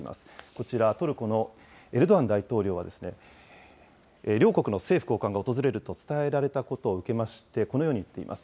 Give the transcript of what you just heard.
こちら、トルコのエルドアン大統領は、両国の政府高官が訪れると伝えられたことを受けまして、このように言っています。